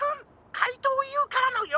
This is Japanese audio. かいとうＵからのよ